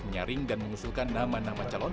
menyaring dan mengusulkan nama nama calon